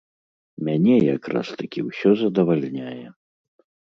Мяне якраз-такі ўсё задавальняе.